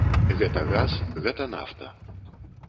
Гэта газ, гэта нафта.